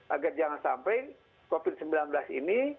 agar jangan sampai covid sembilan belas ini